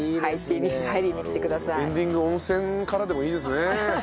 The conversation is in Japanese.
エンディング温泉からでもいいですね。